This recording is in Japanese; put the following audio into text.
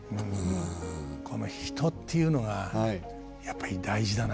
この人っていうのがやっぱり大事だな。